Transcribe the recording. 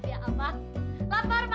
sekarang padutnya ada tiga mbak